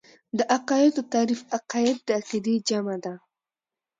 د عقايدو تعريف عقايد د عقيدې جمع ده .